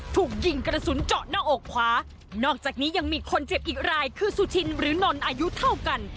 ถูกยิงกระสุนเจาะหน้าอกขวานอกจากนี้ยังมีคนเจ็บอีกรายคือสุชินหรือนนอายุเท่ากัน